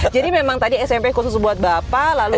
jadi memang tadi smp khusus buat bapak lalu